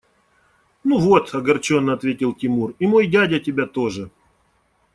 – Ну вот, – огорченно ответил Тимур, – и мой дядя тебя тоже!